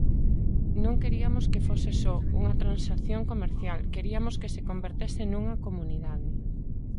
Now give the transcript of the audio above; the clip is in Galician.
Non queriamos que fose só unha transacción comercial, queriamos que se convertese nunha comunidade.